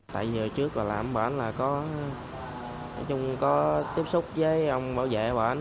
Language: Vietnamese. tại giờ trước là bọn anh có tiếp xúc với ông bảo vệ bọn anh